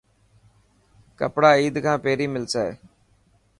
ڪپڙا عيد کان پهرين ملسي؟